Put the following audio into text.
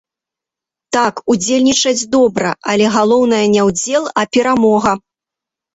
Так, удзельнічаць добра, але галоўнае не ўдзел, а перамога.